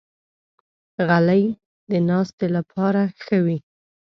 غلۍ د ناستې لپاره ښه وي.